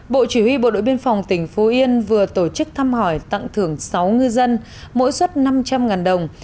bộ chỉ huy bộ đội biên phòng tỉnh phú yên vừa tổ chức thăm hỏi tặng thưởng sáu ngư dân mỗi suất năm trăm linh đồng